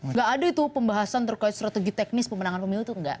nggak ada itu pembahasan terkait strategi teknis pemenangan pemilu itu enggak